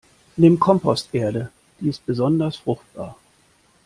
Nimm Komposterde, die ist besonders fruchtbar.